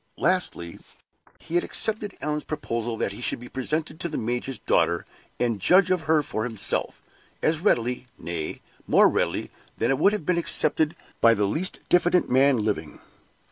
Lastly, he had accepted Allan's proposal that he should be presented to the major's daughter, and judge of her for himself, as readily, nay, more readily than it would have been accepted by the least diffident man living.